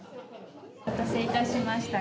お待たせ致しました。